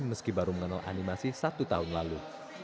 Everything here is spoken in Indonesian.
meski baru mengenal animasi satu tahun lalu